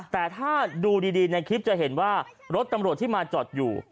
แต่ถ้าดูดีในคลิปจะเห็นว่ารถตำรวจที่มาจอดอยู่